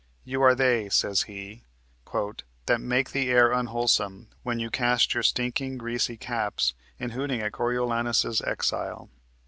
"You are they," says he, "That make the air unwholesome, when you cast Your stinking, greasy caps, in hooting at Coriolanus's exile."